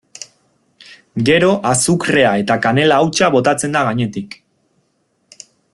Gero azukrea eta kanela hautsa botatzen da gainetik.